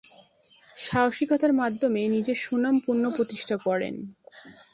সাহসিকতার মাধ্যমে নিজের সুনাম পুনঃপ্রতিষ্ঠা করেন।